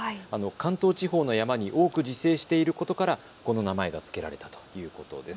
関東地方の山に多く自生していることから、この名前が付けられたということです。